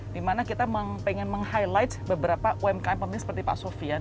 dimana kita pengen meng highlight beberapa umkm pemilik seperti pak sofian